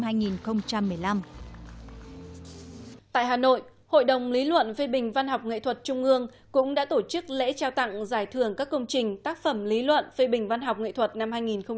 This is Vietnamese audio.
tại hà nội hội đồng lý luận phê bình văn học nghệ thuật trung ương cũng đã tổ chức lễ trao tặng giải thưởng các công trình tác phẩm lý luận phê bình văn học nghệ thuật năm hai nghìn một mươi chín